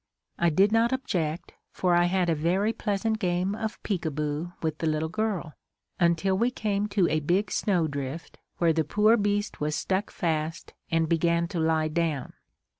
I did not object, for I had a very pleasant game of peek a boo with the little girl, until we came to a big snow drift, where the poor beast was stuck fast and began to lie down.